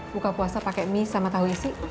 buka puasa pake mie sama tahu isi